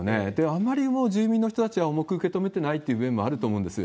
あまりもう、住民の人たちは重く受け止めてないという面もあると思うんです。